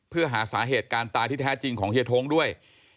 เพื่อหาสาเหตุการณ์ตายที่แท้จริงของเฮียท้งด้วย